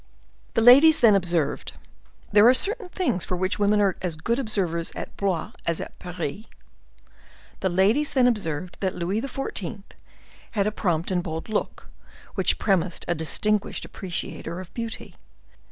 The ladies then observed—there are certain things for which women are as good observers at Blois as at Paris—the ladies then observed that Louis XIV. had a prompt and bold look, which premised a distinguished appreciator of beauty.